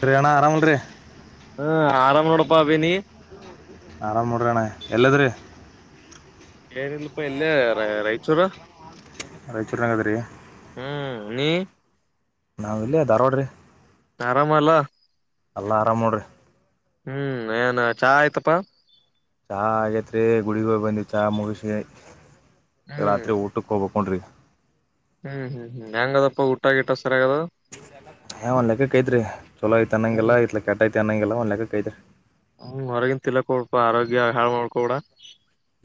ಟ್ರೇಣ ಆರಾಮ್ ಅಲ್ಲಿ ರಿ ಹಾ ಆರಾಮ್ ನೋಡಪಾಬಿನಿ ಆರಾಮ್ ಮಾಡ್ರಿ ಅಣ್ಣ ಎಲ್ಲದ್ರೀ ಏನಲ್ಪಾ ಇಲ್ಲೇ ರ್ ರಾಯಚೂರ. ಅದ ಚರ್ಂಗಾದರಿ ನೀ ನಾವು ಇಲ್ಲೇ ಧಾರವಾಡ ರಿ ಆರಾಮಲ್ಲಾ ಅಲ್ಲ ಆರಾಮ್ ನೋರಿ ಹ್ಮ್ ಏನ್ ಚಹಾ ಆಯ್ತಪಾ. ಚಹಾ ಆಗೇತ್ರಿ ಗುಡಿಗಿ ಬಂದ್ವಿ ಚಹಾ ಮುಗಿಸಿ. ಹ್ಮ್ ರಾತ್ರಿ ಊಟಕ್ಕೆ ಹೋಗ್ಬೇಕು. ಪಾಂಡ್ರೆ ಹ್ಮ್ ಹ್ಮ್ ಹ್ಮ್ ಹೆಂಗ ಅದಪ್ಪ ಊಟಾಗಿ ಇಟ್ಟಷ್ಟ ಹ ಒನ್ ಲೆಕ್ಕ ಕೈತ್ರಿ ಸೋ ಹ್ಮ್ ತನಂಲ್ಲ ಇ ಕ ಕೆಟ್ಟತಿ. ನ್ನಂಗಲ್ಲ ಒನ್ಲಲೆಕ್ಕ ಕೈರಾರೆ ಹ್ಮ ಹೊರಗನ್ ತಿಲಕ ಕೊಡ್ಪ ಆರೋಗ್ಯ ಹಾಳ ಮಾಡ್ಕೊಡ್.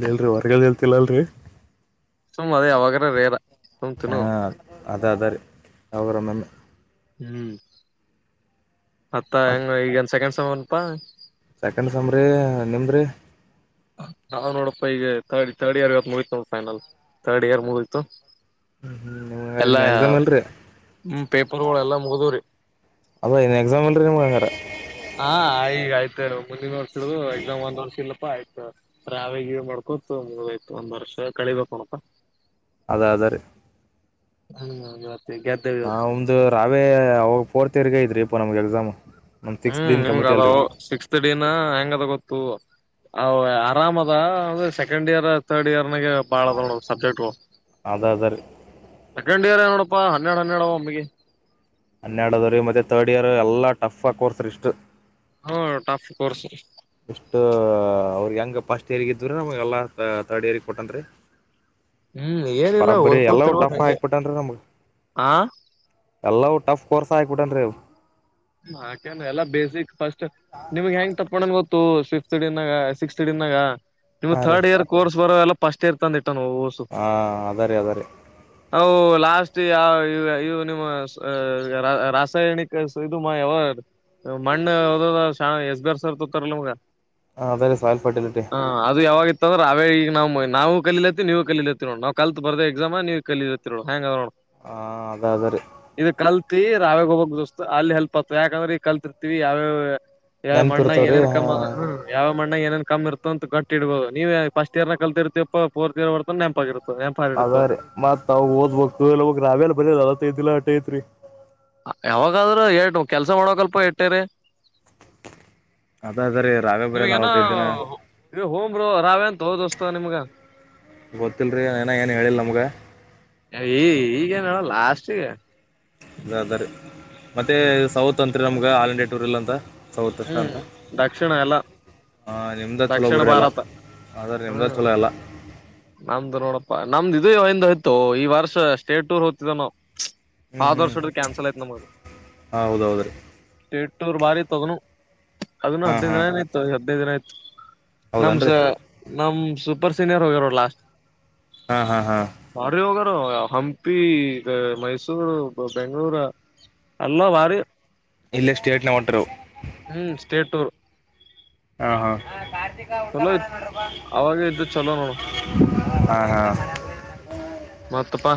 ಎಲ್ರಿ ಹೊರ್ಗಲಲ್ತಿಲ್ಲ ಅಲ್ರರಿ ಸುಮ್ಮ ಅದೇ ಯಾವಾಗ್ ಆದರೂ ರೇ ರಾ ಹಾ ಅದ್ ಅದ್ ರಿ ಅವರ ನನ್ನ ಹ್ಮ್ ಮತ್ತ್ ಮತ್ ಹೆಂಗ ಈಗ ಸೆಕೆಂಡ್ ಸೇಮ್. ಸೊನ್ಪಾ ಸೆಕೆಂಡ್ ಸಮ್ರಿ ನಿಮ್ರಿ ನಾನೋಡಪ್ಪಾ ಈಗ ತರ್ಡ್ ತರ್ಡ್ ಇಯರ್ ಇವತ್ ಮುಗತ ನೋಡ್ ಫೈನಲ್ ತರ್ಡ್ ಇಯರ್ ಮುಗೀತು. ಹ್ಮ್ ಹ್ಮ್ ಮ್ಯಾಕ್ಸಾಮ್ ಅಲ್ರಿ ಪೇಪರ್ಗಳೆಲ್ಲಾ ಮುಗ್ದವ್ರಿ ಅದ ಇ ಎಕ್ಸಾಮ್ ಅಲ್ಲ ರಿ ನಿಮ್ಮ ಗ್ ಆದರ್ ಆ ಈಗ ಆಯ್ತು ಮುಂದಿನ ವರ್ಷಳು ಎಕ್ಸಾಮ್ ಒಂದ್ ವರ್ಷ ಇಲ್ಲಪ್ಪಾ ಆಯ್ತು ರಾವಗ ಮಾಡ್ಕೊತ ಮುಗಿಯಿತು ಒಂದ್ ವರ್ಷ ಕಳಿಬೇಕೋಣಪಾ. ಅದ ಅದ ರಿ ಹ್ಮ ಹ ಅವನ್ದು ರಾವೇ ಅವ ಫೋರ್ತ್ ರ್ಗ ಇದ್ರಿ ಅಪ್ಪಾ ನಮ್ಮಗೆ ಎಕ್ಸಾಮ್. ನಮ್ಮ ಸಿಕ್ಸ್ತ್ ಹ್ಮ್ ದಿನ ನಿಮ್ಗ ಕಮಿಟಿ ಅದ ಅಲ್ರಿ ಸಿಕ್ಸ್ ಡಿನ ಹೆಂಗ ಅದ ಗೊತ್ತು. ಹಾ ಆರಾಮ್ ಅದ ಅಂದ್ರೆ ಸೆಕೆಂಡ್ ಇಯರ್ ಥರ್ಡ್ ಇಯರ್. ನನಗೆ ಬಾಳದ ನೋಡ ಸಬ್ಜೆಕ್ಟ್ ಅದ ಅದ ರೀ ಸೆಕೆಂಡ್ ಇಯರ್ ನೋಡ ಪ್ಪಾ ಅನ್ನೆರಡು ಹನ್ನಣ ಒಮಗೆ ಹನ್ನೆರಡದವ ರೀ ಮತ್ತುತ್ತೆ ಥರ್ಡ್ ಇಯರ್ ಎಲ್ಲ ಟಫ ಆಗಿ ಕೋರ್ಸ ರಿ ಇಷ್ಟು ಹ ಟಾಫ ಕೋರ್ಸ್ ಇಷ್ಟು ಅವ್ರಿಗೆ ಹೆಂಗೆ ಫಸ್ಟ್ ಇಯರ್ಗ ಇದ್ರ ನಮ್ಗೆಲ್ಲ ಥರ್ಡ್ ಇಯರ್ರಿಗೆ ಕೊಟ್ಟನ್ ರೀ. ಹ್ಮ್ ಏನಿಲ್ಲ ಬರಬ್ಬರಿ ಎಲ್ಲವೂ ಓದ್ಕೋತಿರ್ರುವ ಟಫ್ ನಂಗೆ ಹಾಕ್ಬಿಟ್ಟನ್ ಆ ಎಲ್ಲೂ ಟಫ್ ಕೋರ್ಸ್ ಆಗ್ಬಿಟ್ಟೆನ್ರಿವು ಕೆ ಎಲ್ಲಾ ಬೇಸಿಕ್ ಫಸ್ಟ್ ನಿಮ್ಮಗೆ ಹೆಂಗ್ ತಪ್ಪ್. ನ್ ಗೊತ್ತು ಫಿಫ್ ಅಡಿನಾಗ ಸಿಕ್ಸ್ ಅಡನಾಗ ನಿಮ್ಮ ಹಾಂ ರೀ ಥರ್ಡ್ ಇಯರ್ ಕೋರ್ಸ್ ಬರೋ ಎಲ್ಲಾ. ಪಸ್ಟ್ ಇಯರ್ ತಂದ್ [unintelligible] ಸು ಹಾಂ ಅದ ರೀ ಅದ ರೀ ಲಾಸ್ಟ್ ಯಾವ ಇವು ಇವು [unintelligible] ರಾಸಾಯನಿಕ [unintelligible] ಮಣ್ಣು ಇದಾದ ಶಾ ಎಸ್ಬಾರ್ ಸರ್ ತೋಗೋತಾರ್ ಅಲ್ಲ ನಮ್ಮಗ. ಹ ಅದೇ ರೇ ಸಲ್ಫರ್ಟಲ್ಟಿ ಅ್ರ ಅವೇ ಈಗ ನಾವು ನಾವು ಕಲತ್ತ ನೀವು ಕಲತ್ತ ನೋ ನಾವು ಕಲ್ತ್ ಬರ್ದೆ ಎಕ್ಸಾಮ ನೀವು ಕಲತ್ತ ನೋಡು ಹ್ಯಾಗೆ ನೋಡು. ಹ್ ಅದ್ ಅದ್ ರೀ [unintelligible] ಅಲ್ಲಿ ಹೆಲ್ಪ್ ಆತ ಯಾಕಂದ್ರೆ ಕಲ್ತಿರ್ತತಿವಿ ಯಾವ್ಯಾವ. ಯಾವ ಮಣ್ಣಾಗ ನೆನಪಿರ್ತಾವ ರೀ ಏನನ್ ಕ ಹಾಂ ಯಾವ ಮಣ್ಣಾಗ ಏನನ್ ಕಮ್ಮಿ ಇತ ಅಂತ ಗಟ್ ಇಡಬೋ ನೀವ ಫರ್ಟ್ಸ್ ಇಯರ್ಾಗ ಕಲ್ತಿ ಇರ್ತಿಪ್ಪಫೋರ್ ಇಯರ್ತ ನೆಪಾಗಿಿತ್ತೆ [inaudible] ಅದ ರಿ ಮತ್ ಅವವ ಒದ್ಬೇಕು [unintelligible] [unintelligible] ಯಾವಾಗಾದ್ರೂ ಎಟು ಕೆಲ್ಸ ಮಾಡೋಕಲ್ಪ ಎಟ್ಟೇರಿ ಅದೇ ಅ ಅದ್ರೀ ರಾಗ ಬೇರ ನಲ್ವತ್ತೈದ್ ದಿನ ಏ ಹೂ ಬ್ರೋ ರಾವೇಂತೋ ದೋಸ್ತ ನಿಮ್ಗ. ಗೊತ್ತಲ್ರಿ ಏನ ಏನ್ ಹೇಳಿಿಲ್ಲ ನಮ್ಗ. ಈ ಈಗೇ ಏನು ಲಾಸ್ಟ್ಗೆ ಅದ್ ಅದ್ ರಿ ಮತ್ತೆ ಸೌತ್ ಒಂದ್ ನಮ್ಗೆ ಆಲ್ ಇಂಡಿಯಾ ಟೂರ್ ಇಲ್ಲ ಅಂತಾ ಸೌತ್ ಇರ್ತ ಹ್ಮ್ ಅಂತಾ ದಕ್ಷಿಣ ಎಲ್ಲ ನಿಮ್ದ ಚಛಲೋ ದಕ್ಷಿಣ ಬಿಡ್ರಿ ಅಲ್ಲ ಭಾರತ. ಆದರೆ ನಿಮ್ದ ಹ್ಮ್ ಚಛಲೋ ಎಲ್ಲಾ. ನಮ್ದು ನೋಡಪ್ಪಾ ನಮ್ದು ಇದು ಒಂದ್ ಐತೊ ಈ ವರ್ಷ ಸ್ಟೇಟ್ ಟೂರ್ ಒತ್ತದ ಏನೋ ಆದು ಹ್ಞೂ ವರ್ಷಡ್ರ ಕ್ಯಾನ್ಸಲ್ ಆಗಯೋತ್ ನಮಗ್ ಹಾಂ ಹೌದೌದ್ರಿ ಎಂಟನೂರು ರು ಬಾರಿ ತೊಗನು ಅದನ್ನು ಹಾಂ ಹದಿನೈ ಹಾಂ ದಿನನ ಇತ್ತುದು ಹದಿನೈ ದಿನ ಆಯತತ್ತು. ನಮ್ಸ ಹೌದನ್ರಿ ನಮ್ ಸುಪರ್ ಸೀನಿಯರ್ೋಗರ್ ಲಾಸ್ಟ ಹಾ ಹಾ ಹಾ ರ ಹಂಪಿ ಮೈಸೂರು ಬೆಂಗಗಳೂರು ಎಲ್ಲಾ ವಾರಿ ಇಲ್ಲ ಸ್ಟೇಟ್ ನ ಹೊಟ್ಟರು ಹ್ಮ್ ಸ್ಟೇಟ್ ಟೂರ್ ಹ ಹ ಹ ಕಾರ್ತಿಕ ಉಊಟ ಚಲೋ ಮಾನ ಇತ್ ನೋಡ್ರಪ್ಪಾ ಅವಾಗ ಇದ್ದು ಚಲೋ ನೋಡು ಹಾ, ಹಾ ಮತ್ತಪ್ಪಾ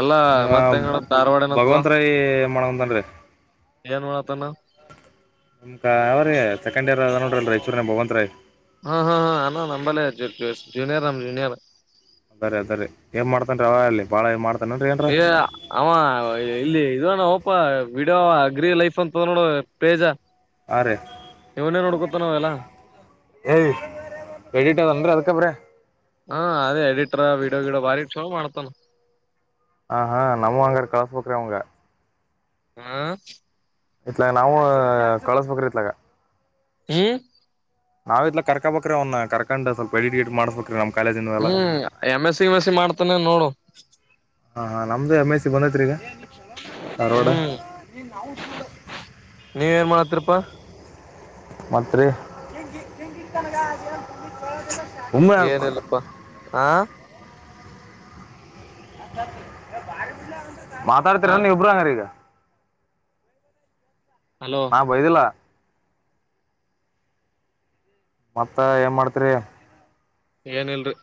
ಎಲ್ಲಾ ನೀವು ಮತ್ತೆ ಹೆಂಗ ಧಾರವಾಡ ನತ್ತದ. ಭಗವಂತ ರಾಯ್ ಮಾಡ್ಕೊಂತಾನ್ರಿ ಏನ್ ಮಾಡತನಾ. ಅವ್ರೀ ಸೆಕಂಡ್ಯರ್ ಅದನಾ ನೋಡ್ರಿ ರಾಯಚೂರುದಗ ಭಗವಂತ ರಾಯ್. ಹಾ, ಹಾ, ಹಾ ಆನಾ ನಂಬಲ್ಲಿ ಜುನಿಯರ್, ಆನಾ ಜುನಿಯರ್. ಸರಿ, ಸರಿ ಏನ್ ಮಾಡ್ತನ್ರಿ ಅವ ಅಲ್ಲಿ ಬಾಳ ಮಾಡ್ತ ಇ ಆ ಇಲ್ಲಿ ಇದು ಆನೋ. ಪ್ಪ ವಿಡಿಯೋ ಅಗ್ರಿ ಲೈಫ್ ಅಂತ ನೋಡು ಪೇಜ. ಹಾಂ ರೀ ಇವನೇ ನೋಡ್ಕೊ ನ್ ಎಲ್ಲಾ. ಏಯ್ ರಡಿಟದಂದ್ರ ಅದ್ಕಬ್ರೆ ಹಾ ಅದೇ ಎಡಿಟರ್ ವೀಡಿಯೋ ಗೀಡೋ ಬಾರಿ ಇಡ್ ಚಲ ಮಾಡ್ತಾನ. ಹ ಹಾ ನಮ್ಮ್ ಹಂಗಾರ ಕಳ್ಸ್ಬ್ರೆ ಅವಂಗ. ಹಾ. ಇತ್ಲಾಗ ನಾವು ಕಳಸ್ಬೇಕ್ರಿ ಇತ್ಲಗ. ಹ್ಮ. ನಾವ್ ಇಲ್ಲ ಕರ್ಕಬೇಕ್ರೀ ಅವ್ ಕರ್ಕೊಂಡು ಸ್ವಲ್ಪ ಎಡಿ ಗಟ್ ಮಾಡಸ್ಬೇಕ್ರೀ. ಹ್ಮ್ ಎಮ ಎಸ್ ಸಿ, ವಿಮ್ ಎಸ್ಸ, ಮಾಡ್ತಾನೆ ನೋಡು. ನಮು ಎಮ್ಸಿ ಕಾಲೇಜ್. ಹ್ಮ್ ನೀವೇಏನ್ ಮಾಡತರಪ್ಪಾ. ಮತ್ತ್ ರೀ ಏನಿಲ್ಲಪ್ಪಾ ಹಾ. [unintelligible] ಹ ಮಾತಾಡ್ತಿೀರ ನೀ ಇಬ್ಬರು ಹಂಗಾರ ಈಗ. ಹಲೋ ನಾ ಬೈದಿಲ್ಲ. ಮತ್ತ ಏನ್ ಮಾಡ್ತರಿ. ಏನಲ್ರಿ.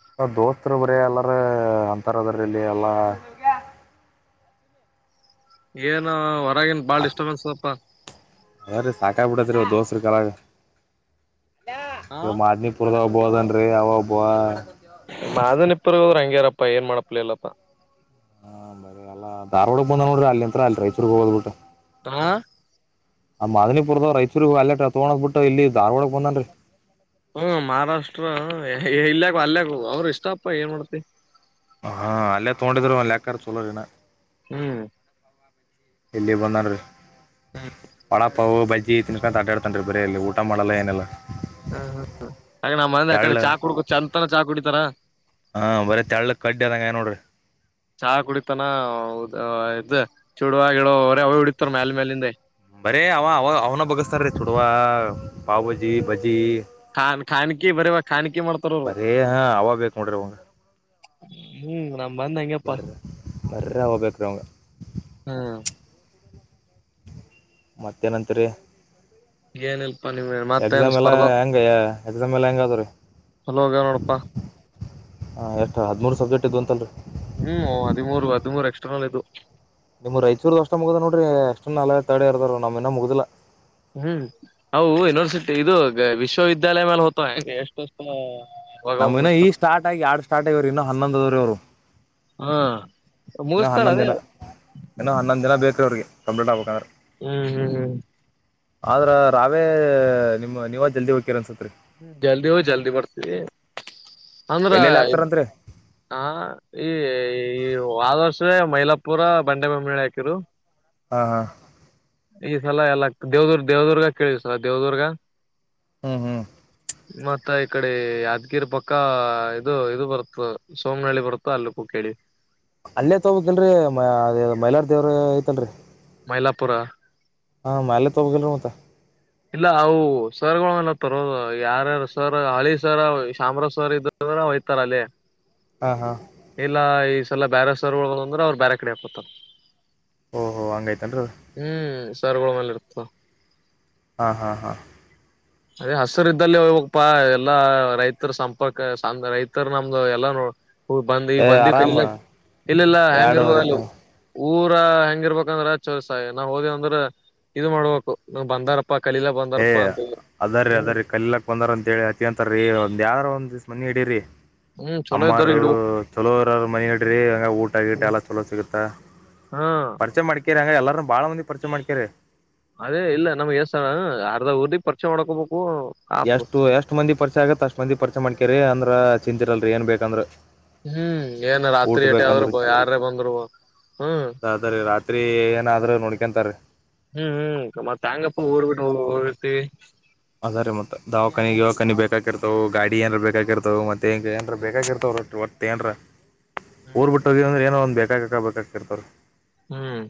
ಹತ್ರ ಬರ ಎಲ್ಲಾರ, ಅಂತರ ಅದ್ರ ಇಲ್ಲಿ ಎಲ್ಲಾ, ಏನು. ಗನ್ ಬಾಳಡಿಸ್ಟರ್ಬನ್ಸ್ ಆ ಅದ ರೀ ಸಾಕಾಗ ಬಿಡತ್ ರೀ ದೋಸ್ರ ಕಾಲಗ. [unintelligible] ಬೋದನ್ರಿ ಯಾವಬ್ಬ ಮಾದನ್ ಇಪ್ಪರ್ ಹೋದ್ರಂಗ. ಹಗ್ಯಾರಪ್ಪಾ ಏನ್ ಮಾಡಪ್ಲ ಯಿಲ್ಲಪ್ಪಾ. ಹಾ ಬರಿ ಅಲ್ಲ ಧಾರವಾಡಗೆ ಬಂದ ನೋಡ್ರಿ ಅಲ್ಲಿಂತ್ರ ಅಲ್ಲಿ ರೈಚೂರಿಗೆ ಹೋಗದ್ಬ ಬಿಟ್ಟ. ಹಾ ಆ ಮಾದನಿಪುರ್ದವ್ ಇಬ್ಬರಿಗಿ ಹ ಅಲ್ಲ ತಗೊಂಡೋ ಹೋಗ್ಬ ಬಿಟ್ಟು ಇಲ್ಲಿ ಧಾರವಾಡಕ ಬಂದನ್ರಿ. ಹ್ಮ ಮಹಾರಾಷ್ಟ್ರ ಇಲ್ಲಯಕ ಅಲ್ಯಕ ಅವರು ಇಷ್ಟಪ್ಪ ಏನ್ ಮಾಡ್ತಿ. ಕ್ಕಾರ ಚೋ್ರನ್ನ [unintelligible] ಹ್ಮ್ ಇಲ್ಲಿ ಬಂದಾನ್ರಿ. ಹ್ಮ್ ವಡಪವು ಬಜಿ. ಈ ತಿನ್ಕಂತ ಅ ಆಡಾಡ್ತನ್ರಿ ಬರೇ ಅಲ್ಲಿ ಊಟ ಮಾಡಲ್ಲ ಏನೀಲ್ಲ. ಹ ಹ ಹಾಗೆ ನಮ್ಮ್ ಮಂದಿ ಅಕಡೆ ಚಾ ಕುಡದ್ ಚಂತನ ಚಾಕ ಕುಡಿತಾರ. ಹಾ ಬರೀ ತೆಳ್ಳ ಕಡ್ಡಿ ಆದಂಗ ಆಗ್ಯಾನ್ ನೋಡ್ರಿ ಚಹಾ ಕುಡಿತಾನ ಅವ್ದ ಇದ ಚೂಡುವ ಗಿಡವ ಒಟ್ಟ. ಬರೇ ಅವ ಅವ ಅವನ ಬಗಸ್ತಾನರೀ ಚುಡವ. ಪಾವಬಜಿ ಬಜಿ. ಖಾನ್ ಖನ್ಕಿ ಬರವ ಖನ್ಕಿ ಮಾಡ್ತಾರ ಅವರು. ಬರೇ ಹಾ ಅವ ಬೇಕ್ ನೋಡ್ರಿ ಹ್ಮ್ ನ ಬರ್ರ ಬರೇ ಹೋಗ್ಬೇಕರೀ ಅವಗ. ಹ್ಮ್ ಮತ್ತೆನಂತಿರಿ. ಏನಲ್ಪಾ ನಿಮ್ ಮತ್ತೇನ್ ಎಕ್ಸಾಮ್ ಎಲ್ಲ ಸ್ಪರ್ಧಾ ಹೆಂಗಯ್ಯ ಎಕ್ಸಾಮ್ ಎಲ್ಲ ಹೆಂಗ ಆದುರಿ. ಚಲೋಗ ನೋಡಪಾ ಹಾ ಎಷ್ಟ ಹದಮೂರ ಸಬ್ಜೆಕ್ಟ್ ಇದ್ದು ಅಂತಲ್ರಿ. ಹ್ಮ್ ಹದಿಮೂರು ಹದಿಮೂರು ಎಕ್ಸ್ಟ್ರಾನಲ್ ಇದು. ನಿಮ್ ರಾಯಚೂರ್ದ ಅಷ್ಟ ಮುಗ್ದ ನೋಡ್ರಿ ಎಸ್ಟ್ರನಲ್ ತಡೆರ್ದಾರ ನಮ್ಮು ಇನ್ನ ಮುಗ್ದಿಲ್ಲ. ಹ್ಮ್ ಅವು ಯುನಿವರ್ಸಿಟಿ ಇದು ವಿಶ್ವವಿದ್ಯಾಲಯ ಮ್ಯಾಲ ಹೋತವ ಎಷ್ಟೋವರ್ಷ ನಮ್ಮು ಹೀನ ಈಗ ಸ್ಟಾರ್ಟ್ ಆಗಿ ಯಾಡ್ ಸ್ಟಾರ್ಟ್ ಆಗ್ಯಾವ್ರಿ ಇನ್ನ ಹನ್ನೊಂದ ಅವರಿ ಅವರು ಹಾ ಹೀನ ಮುಗಿಸ್ತಾರ ಹನ್ನೊಂದ್ ಅದೇ ದಿನ ಹೀನ ಹನ್ನೊಂದ ದಿನ ಬೇಕ್ರೀ ಅವ್ರಿಗಿ. ಕಂಪ್ಲಿಟ್ ಆಬೇಕ ಆದ್ರ. ಹ್ಮ್ ಹ್ಮ್ ಹ್ಮ್ ಆದ್ರ ರಾವೇ ನಿಮ್ ನೀವ ಜಲ್ದಿ ಹೋಕಿರ ಅನ್ಸತ್ರಿ. ಜಲ್ದಿ ಹೋಗಿ ಜಲ್ದಿ ಬರ್ತೀವಿ. ಅಂದ್ರ ಎಲ್ಲೆಲ್ಲಿ ಹಾಕ್ತಾರಂತ್ರಿ ಹ ಈ ಹ್ವಾದರ್ಷ. ಮೈಲಾಪುರ ಬಂಡೆ ಬೊಮ್ಮನಳ್ಳಿ ಹಾಕಿರು. ಹಾ ಹಾ ಈ ಸಲ ಎಲ್ಲ ದೇವದುರ್ ದೇವದುರ್ಗ ಕೇಳಿವ ಸಲ ದೇವದುರ್ಗ. ಹ್ಮ್ ಹ್ಮ್ ಮತ್ತ ಈ ಕಡೆ ಯಾದ್ಗಿರಿ ಪಕ್ಕ ಇದು ಇದು ಬರುತ್ತ ಸೋಮನಹಳ್ಳಿ ಬರುತ್ತ ಅಲ್ಲಿಕೂ ಕೇಳಿವಿ. ಅಲ್ಲೇ ತೋಬೇಕಿಲ್ರಿ ಮೈಲಾರ ದೇವ್ರ ಐತಲ್ರರಿ. ಮೈಲಾಪೂರ. ಹಾ ಮ್ಯಾಲೆ ತೋಬೇಕಿಲ್ರಿ ಮತ್ತ. ಇಲ್ಲ ಅವು ಸರ್ಗಳ ತರ ಯಾರಾರ ಸರ್ ಹಳಿ ಸರ ಶಾಮ್ರ ಸರ್ ಇದ್ರ ಹೂಯ್ತಾರ ಅಲ್ಲೆ. ಹಾ ಹಾ ಇಲ್ಲ. ಲ್ಲ ಬ್ಯಾರೆ ಸೋರ್ಗೋಳಂದ್ರ ಬ್ಯಾರೆ ಕಡೆ ಹಾಕೊತರ. ಓಹೋ ಹಂಗೈತನ್ರೀ ಅದ. ಸರಗೋಳ ಮೇಲೆ ಇರ್ತದ. ಹಾ ಹಾ ಹಾ ಅದೇ ಹಸರು ಇದ್ದಲ್ಲಿ ಹೋಗಪಾ ಎಲ್ಲಾ ರೈತರ ಸಂಪರ್ಕ ಸಣ್ಣ ರೈತರ ನಮ್ದು ಎಲ್ಲ ನೋ ಹ ಬಂದ್ ಈ ಏ ಬಂದಿ ಕ ಆರಾಮ ಇಲ್ಲ ಇಲ್ಲ ಹೆಂಗ ಇರ್ಬ ಎರಡುವರೆ ತಿಂಗ್ಳು ಊರ ಹೆಂಗಿರ್ಬೇಕಂದ್ರೆ ಚೋರ್ಸ ನಾವು ಹೋದಿವ ಅಂದ್ರ ಇದು ಮಾಡ್ಬೇಕು ನಾವ ಬಂದಾರಪ್ಪ ಪಪ್ಪಾ ಕಲಲಾ ಬಂದಾರಪ್ಪಾ ಅಂತ ಅದ ರೀ ಅದ ಹ್ಮ್ ರೀ ಕಲೀಲಾಕ್ ಬಂದಾರ ಅಂತ ಹೇಳಿ ಹಾಚೆಗೆತ್ತರಿ ಒಂದ ಯಾದ ರ ಒಂದ ನೆಗಡಿರಿ ಹ್ಮ್ ಚಲೋ ಇದ್ದವ್ರ ಅಮ್ಮರು ಇಡ್ಬೇಕು ಚಲೋರ ಮನಿ ಇಡ್ರಿ ಹಂಗ ಊಟ ಆಗಿಟ್ಟ ಎಲ್ಲ ಚಲೋ ಸಿಗುತ್ತ. ಹಾ ಪರ್ಚೆ ಮಡಿಕೇರಿ ಹ ಎಲ್ಲರು ಬಾಳ ಮಂದಿ ಪರಿಚಯ ಮಾಡ್ಕರಿ ಅದೇ ಇಲ್ಲ ನಮ್ಗ್ ಎಸ್ತ ಅರ್ಧ ಊರಿಗೆ ಪರಿಚಯ ಮಾಡಕೊಬಕ ಎಷ್ಟು ಎಷ್ಟ್ ಮಂದಿ ಪರಿಚಯ ಆಗತ್ತತ್ ಅಷ್ಟ್ ಮಂದಿ ಪರಿಚಯ ಮಾಡ್ಕೇರಿ ಅಂದ್ರ. ತಿಂತಿರಲ್ರಿ ಏನು ಬೇಕಂದ್ರೆ ಹ್ಮ್ ಏನ್ ರಾತ್ರಿ ಟ ಆದ್ರು ಚ ಯಾರೇ ಬಂದರು ಹ್ಮ್ ಅದರಿ ರಾತ್ರಿ ಏನಾದ್ರೂ ನೋಡ್ಕೊಂತಾರೀ ಹ್ಮ್ ಹ್ಮ್ ಮತ್ತ ಹೆಂಗಪ್ಪ ಊರ್ ಬಿಟ್ಟ ಹೋಗದ ಮತ್ತು ಅದ ರೀ ಮತ್ತ ದವಾಖಾನಿ ದಿವಾಕಾನೆ ಬೇಕಾಗಿರ್ತವು ಗಾಡಿ ಏನ್ರ ಬೇಕಾಗಿರ್ತಾವ ಮತ್ತೆ ಹೆಂಗ ಏನ್ರ ಬೇಕಾಗಿರ್ತವ ರ ವಟ್ಟ ಏನ್ರ ಊರ್ ಹ್ಮ್ ಬಿಟ್ಟ ಹೋಗೇದ ಅಂದ್ರೆ ಏನೋ ಒಂದ ಬೇಕು [unintelligible] [inaudible] ಹ್ಮ್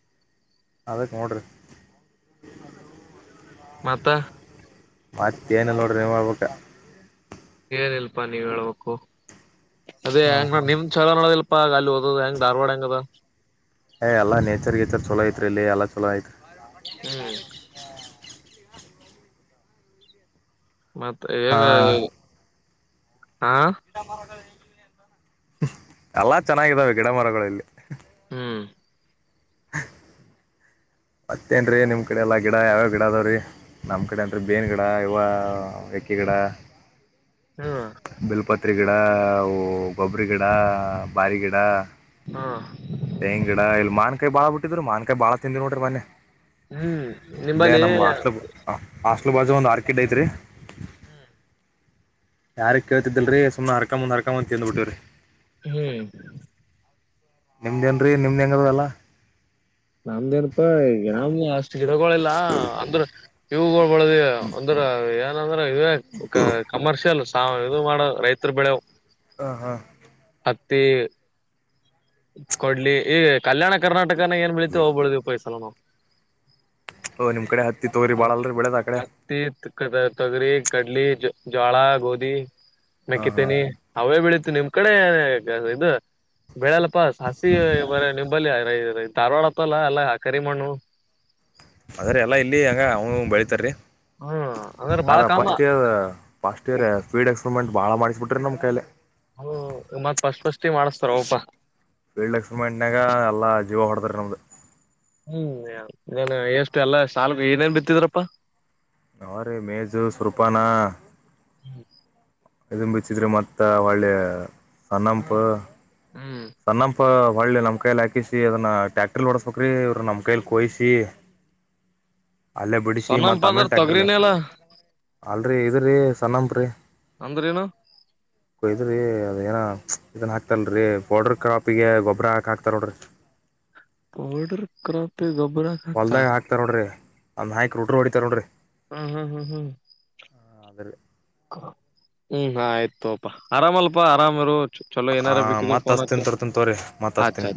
ಅದಕ್ಕೆ ನೋಡ್ರಿ ಮತ್ತ ಮತಏನ ಇಲ್ನೋಡ್ರಿ ನೀವು ಹೇಳಬೇಕು ಏನ ಇಲ್ಪಾ ನೀವ ಹೇಳ್ಬೇಕು ಹ್ಮ್ ಅದೇಂಗ ನ ಹ್ಮ್ ನಿಮ್ ಚಲ ನೋಡದ ಅಪ್ಪ ಗ ಅಲ್ಲಿ ಓದ ಹೆಂಗ್ ಧಾರ್ವಾಡ್ ಹೆಂಗ ಅದ ಏ್ ಎಲ್ಲ ನೇಚರ್ ಗೇಚರ್ ಚಲೋ ಐತ್ರಿ ಇಲ್ಲಿ ಎಲ್ಲ ಚಲೋ ಐತ್ರಿ ಹ್ಮ್ ಮತ್ತೆ ಹೆಗ ಗಿಡ ಮರಗಳು ಎಲ್ಲಾ ಚೆನ್ನಾಗಿದ್ದಾವೆ ಗಿಡ ಮರಗಳಲ್ಲಿ ಹ್ಮ್ ಮತ್ತೇನ್ರೀ ನಿಮ್ ಕಡೆ ಎಲ್ಲಾ ಗಿಡ ಯಾವ್ಯಾವ ಗಿಡ ಅದಾವ್ರೀ ನಮ್ ಕಡೆ ಅನ್ರಿ ಬೇನ್ ಗಿಡ ಯವ ಯಕ್ಕಿ ಗಿಡ ಹ್ಮ ಬಿಲ್ಪತ್ರಿ ಗಿಡ ಗೊಬ್ಬರಿ ಗಿಡ ಬಾರಿ ಗಿಡ ಹಾ ತೆಂಗಿನ ಗಿಡ ಮಾವಿನಕಾಯಿ ಗಿಡ ಬಾಳ ಬಿಟ್ಟಿದರು ಮಾನ್ಕಾಯ ಬಾಳ ತಿಂದ್ವಿ ನೋಡಿ ಸ ಬ ಹ್ಮ್ ನಿಂಬಲ್ಲಿ ಹಾಸ್ಟ್ಲ್ ಬಾಜು ಒಂದು ಆರ್ಕೆಡ್ ಐತೆ ರೀ ಹ್ಮ್ ಯಾರ ಕೇಳ್ತಿದ್ದಲ್ರರಿ ಸುಮ್ನೆ ಹರ್ಕಂದ್ ಹರ್ಕಂದ ತಿಂದ್ ಬಿಟ್ಟವ್ರಿ ಹ್ಮ್ ನಿಮ್ದೇನ್ರೀ ನಿಮ್ದ ಹೆಂಗ ಅದಾವೆಲ್ಲ ನಮ್ದೇನಪ್ಪಾ ಗಾಮ ಅಷ್ ಗಿಡಗೋಳೆಲ್ಲ ಅಂದ್ರ ಇವ ಳದ ಅಂದರ ಏನ್ ಇ ಒ ಕಮರ್ಷಿಯಲ್ ವ ಇದು ಮಾಡ ರೈತ್ರು ಬೆಳೆವು ಹಾ ಹಾ ಹತ್ತೀ ಕೊಡ್ಲಿ ಈಗ ಕಲ್ಯಾಣ ಕರ್ನಾಟಕ ಏನ್ ಬೆಳಿತ್ತಿವೋ ಅವು ಬೆಳಿಬೇಕು ಈ ಸಲ ನಾವು ಓ ನಿಮ್ ಕಡೆ ಹತ್ತಿ ತೊಗರಿ ಹಾ ಬಾಳಲ್ರಿ ಬೆಳೆದ ಆ ಕಡೆ ಹತ್ತಿ ತೊಗರಿ ಕಡಲಿ ಜ ಜ್ವಾಳಾ ಗೋದಿ ಹಾ ಹಾ ಮೆಕ್ಕಿತೇನಿ ಅವೇ ಬೆಳಿತ ನಿಮ್ ಕಡೆ ಇದು ಬೆಳೆಲ್ಲ ಅಪ್ಪ ಸಾಸಿವೆ ಬೆಳೆ ನಿಂಬಲ್ಲಿ ಧಾರ್ವಾಡ ಹತ್ತಲ್ಲ ಎಲ್ಲಾ ಕರಿಮಣ್ಣು ಅದ್ರೇ ಎಲ್ಲಾ ಇಲ್ಲಿ ಹಂಗ ಅವ್ನು ಬೆಳಿತಾರೀ ಹ್ಮ್ ಅಂದ್ರ ಬಾಳ ಅರ ಕಾಮ first year first year speed experiment ಭಾಳ ಮಾಡಿಸ್ಬಿಟ್ರಿ ನಮ್ಮ ಕೈಲೆ ತಿ ಮಾಡಸ್ತಾರೋಪಾ ಫೀಲ್ಡ್ ಲಕ್ಸ್ಮಂಡನಾಗ ಎಲ್ಲಾ ಜೀವ ಹೊಡದ್ರ ನಮ್ದ ಹ್ಮ್ ನೇನ್ ಎಷ್ಟು ಎಲ್ಲಾ ಸಾಲಗ ಏನೇನ್ ಬಿತ್ತಿದ್ರಪ್ಪಾ ನಾವ್ ರೀ ಮೇಜು ಸುರ್ಪಾನ [inaudible] ಇದ ಬಿಚ್ಚಿದ್ರೆ ಮತ್ತ ಹೊಳ್ಳೆ ಸಣ್ಣಂಪ ಹ್ಮ್ ಸಣ್ಣ ಪ ಹೊಳ್ಳೆ ನಮ್ಮ ಕೈಲಿ ಹಾಕಿಸಿ ಅದನ್ನ ಟ್ಯಾಕ್ಟರ್ ಓಡಸ್ಬೇಕ್ರಿ ಇವ್ರ ನಮ್ಮ ಕೈಲ್ಲಿ ಕೊಯಿಸಿ ಅಲ್ಲೇ ಬಿಡಿಸೀ ಸೊನ್ನಂಪ ಮತ್ ಅಂದ್ರ ಆಮೇಲೆ ಟ್ಯಾಕ್ಟ್ರಲ್ ತೊಗರಿನೆಲ್ಲ ಅಲ್ರೀ ಇದು ರೀ ಸಣಂಪ್ರೀ ಅಂದ್ರೇನು ಕೊಯ್ದ್ರೀ ಅದು ಏನ ಇದನ್ನ ಹಾಕ್ತಲ್ರಿ ಪೌಡ್ರ ಕ್ರಾಪಿಗೆ ಗೊಬ್ಬರ ಹಾಕ ಹಾಕ್ತಾರಲ್ರೀ ಪೌಡರ್ ಕ್ರಾಪ್ ಗೊಬ್ಬರ ಹೊಲ್ದ ಹಾಕ್ತಾರ ಹಾಕ್ತಾರೋಡ್ರಿ. ಅದ್ನ ಹಾಕಿ, ರೋಟರ್ ಹೊಡಿತಾರ ನೋಡ್ರಿ ಹ್ಮ್ ಹ್ಮ್ ಹ್ಮ್ ಹ್ಮ್ ಅದ್ರಿ ಹ್ಮ್ ಹಾ ಆಯ್ತು. ತೋಪಾ ಆರಾಮಲ್ಪಾ ಆರಾಮರು. ಚಲೋ ಹಾ ಏನಾರ ಬೇಕಿದ್ರ ಮತ್ ಫೋನ್ ಹಚ್ಚು ಹಸ್ತೀನಿ ತರ್ತನ್ ತೋರಿ ಹಚ್ಚ ಹಚ್ಚ. ಮಾತ್ಸ್ತೀನಿ.